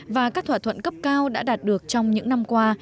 và các thỏa thuận cấp cao đã đạt được trong những năm qua